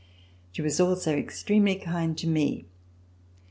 She was also extremely kind to me.